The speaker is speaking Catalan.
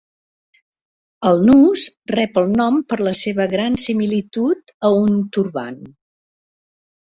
El nus rep el nom per la seva gran similitud a un turbant.